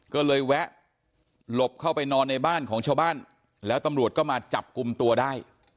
ก็เลยแวะหลบเข้าไปนอนในบ้านของชาวบ้านแล้วตำรวจก็มาจับกลุ่มตัวได้